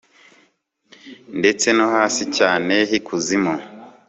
Ndetse no hasi cyane hikuzimu